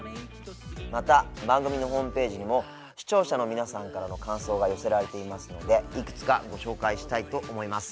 また番組のホームページにも視聴者の皆さんからの感想が寄せられていますのでいくつかご紹介したいと思います。